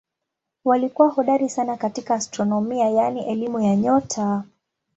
Walikuwa hodari sana katika astronomia yaani elimu ya nyota.